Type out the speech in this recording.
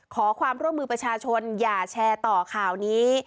ขอความร่วมมือประชาชนอย่าแชร์ต่อข่าวนี้